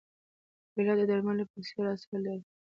کېله د درملو په څېر اثر لري.